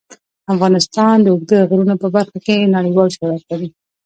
افغانستان د اوږده غرونه په برخه کې نړیوال شهرت لري.